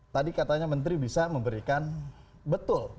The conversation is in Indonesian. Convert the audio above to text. tadi katanya menteri bisa memberikan betul